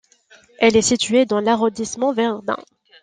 Elle est située dans l'arrondissement Verdun.